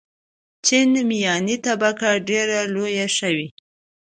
چین میاني طبقه ډېره لویه شوې.